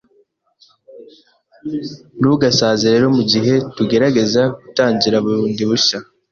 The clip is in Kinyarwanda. Ntugasaze rero mugihe tugerageza gutangira bundi bushya